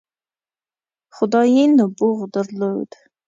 خدايي نبوغ درلود.